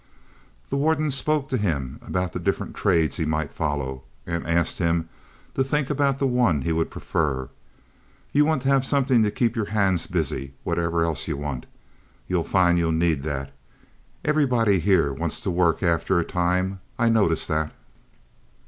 The warden spoke to him about the different trades he might follow, and asked him to think about the one he would prefer. "You want to have something to keep your hands busy, whatever else you want. You'll find you'll need that. Everybody here wants to work after a time. I notice that."